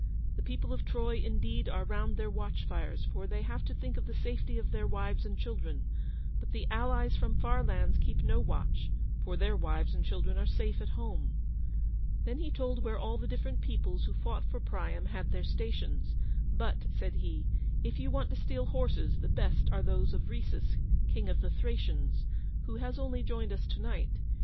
The people of Troy, indeed, are round their watch fires, for they have to think of the safety of their wives and children; but the allies from far lands keep no watch, for their wives and children are safe at home." Then he told where all the different peoples who fought for Priam had their stations; but, said he, "if you want to steal horses, the best are those of Rhesus, King of the Thracians, who has only joined us to night.